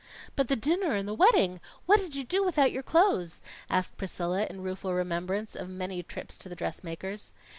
"But the dinner and the wedding? What did you do without your clothes?" asked Priscilla, in rueful remembrance of many trips to the dressmaker's.